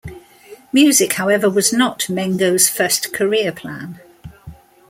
Music, however, was not Mengo's first career plan.